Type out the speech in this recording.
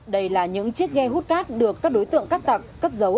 đây là những chiếc ghe hút cát được các đối tượng cắt tặc cất giấu